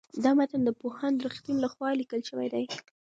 دا متن د پوهاند رښتین لخوا لیکل شوی دی.